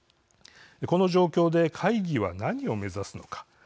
この状況で会議は何を目指すのか。